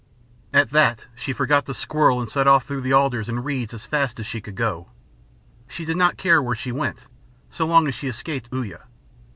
At that she forgot the squirrel and set off through the alders and reeds as fast as she could go. She did not care where she went so long as she escaped Uya.